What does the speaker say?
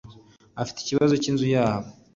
afite ikibazo cy inzu yabo